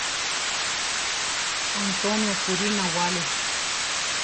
Antonio kurí nawáli.